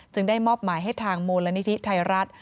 ได้มอบหมายให้ทางมูลนิธิไทยรัฐ